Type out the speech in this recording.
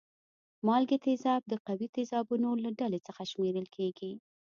مالګې تیزاب د قوي تیزابونو له ډلې څخه شمیرل کیږي.